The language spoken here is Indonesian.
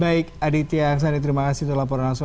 baik aditya sangat terima kasih telah berlangsung